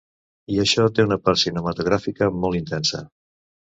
I això té una part cinematogràfica molt intensa.